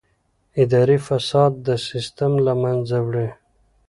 اداري فساد سیستم له منځه وړي.